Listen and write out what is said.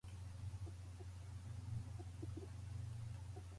After his return to Leipzig, his health started deteriorating rapidly.